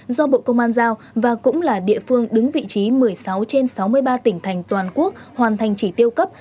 do bộ công an giao và cũng là địa phương đứng vị trí một mươi sáu trên sáu mươi ba tỉnh thành toàn quốc hoàn thành chỉ tiêu cấp